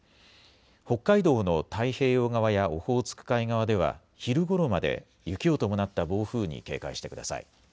北海道の太平洋側やオホーツク海側では昼ごろまで雪を伴った暴風に警戒してください。